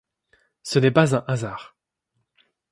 Ce n'est pas un hasard.